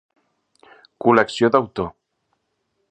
Col·lecció d'autor.